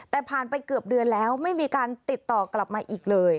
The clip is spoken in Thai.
แต่ผ่านไปเกือบเดือนแล้วไม่มีการติดต่อกลับมาอีกเลย